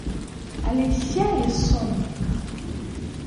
Але ззяе сонейка.